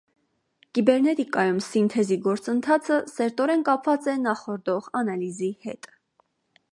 Կիբերնետիկայում սինթեզի գործընթացը սերտորեն կապված է նախորդող անալիզի հետ։